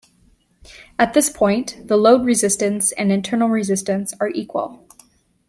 At this point, the load resistance and internal resistance are equal.